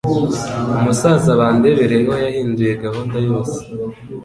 Umusaza Bandebereho yahinduye gahunda yose